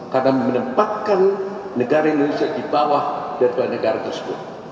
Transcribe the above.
karena menempatkan negara indonesia di bawah daripada negara tersebut